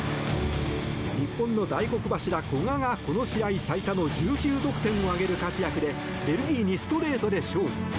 日本の大黒柱、古賀がこの試合最多の１９得点を挙げる活躍でベルギーにストレートで勝利。